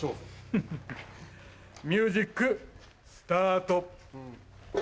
フフフミュージックスタート。